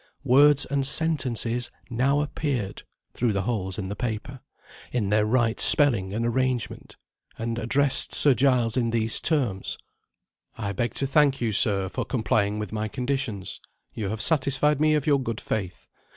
Words and sentences now appeared (through the holes in the paper) in their right spelling and arrangement, and addressed Sir Giles in these terms: "I beg to thank you, sir, for complying with my conditions. You have satisfied me of your good faith.